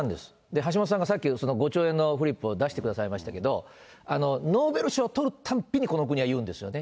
橋下さんがさっき言うこの５兆円のフリップを出してくださいましたけれども、ノーベル賞取るたんびにこの国は言うんですよね。